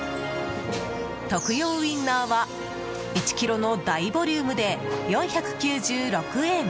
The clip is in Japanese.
徳用ウインナーは１ｋｇの大ボリュームで４９６円。